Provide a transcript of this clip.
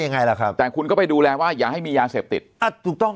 ยังไงล่ะครับแต่คุณก็ไปดูแลว่าอย่าให้มียาเสพติดอ่ะถูกต้อง